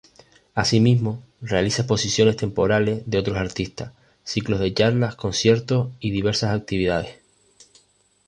Asimismo, realiza exposiciones temporales de otros artistas, ciclos de charlas, conciertos y diversas actividades.